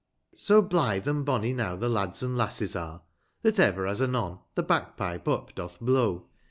So blithe and bonny now the Lads and Lasses are, That ever as anon the P>ag pipe up doth blow.